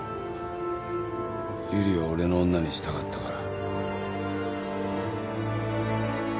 由理を俺の女にしたかったから。